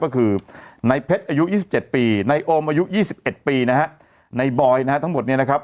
ก็คือในเพชรอายุ๒๗ปีในโอมอายุยี่สิบเอ็ดปีนะฮะในบอยนะฮะทั้งหมดเนี่ยนะครับ